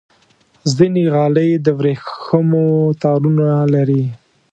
ځینې غالۍ د ورېښمو تارونو لري.